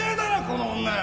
この女。